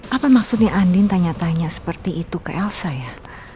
apa maksudnya andin tanya tanya seperti itu ke el saya